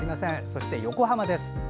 そして横浜です。